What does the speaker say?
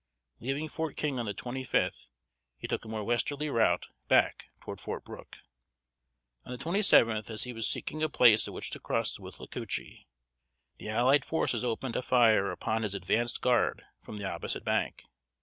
Leaving Fort King on the twenty fifth, he took a more westerly route back toward Fort Brooke. On the twenty seventh, as he was seeking a place at which to cross the Withlacoochee, the allied forces opened a fire upon his advanced guard from the opposite bank.